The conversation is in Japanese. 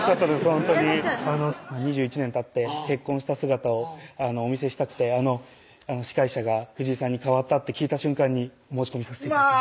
ほんとに２１年たって結婚した姿をお見せしたくて司会者が藤井さんに替わったって聞いた瞬間に申し込みさせて頂きました